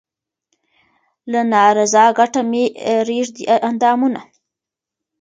له نا رضا کټه مې رېږدي اندامونه